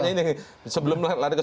maksud saya yang dibutuhkan adalah